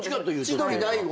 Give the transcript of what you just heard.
千鳥大悟。